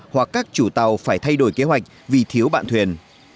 hoặc các chủ tàu phải thay đổi kế hoạch vì thiếu bạn thuyền